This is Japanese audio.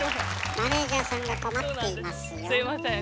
マネージャーさんが困っていますよ。